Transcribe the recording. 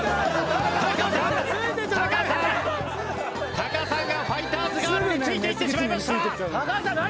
タカさんがファイターズガールについていってしまいました。